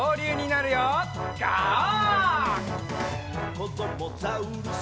「こどもザウルス